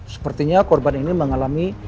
sepertinya korban ini mengalami